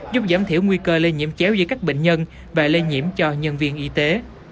giúp giảm thiểu nguy cơ lây nhiễm chéo giữa các bệnh nhân và lây nhiễm cho nhân viên y tế